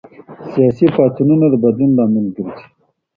سياسي پاڅونونه د بدلون لامل ګرځي.